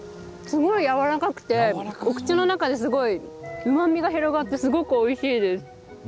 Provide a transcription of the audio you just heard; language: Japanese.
すごい、やわらかくてお口の中ですごいうまみが広がってすごいおいしいです。